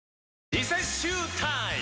リセッシュータイム！